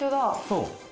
そう。